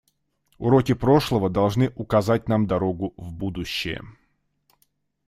Уроки прошлого должны указать нам дорогу в будущее.